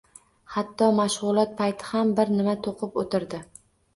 Hatto mashgʻulot payti ham bir nima toʻqib oʻtirdi.